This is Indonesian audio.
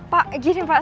pak gini pak